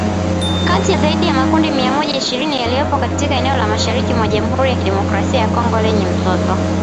Kati ya zaidi ya makundi mia Moja ishirini yaliyopo katika eneo la mashariki mwa Jamuhuri ya kidemokrasia ya Kongo lenye mzozo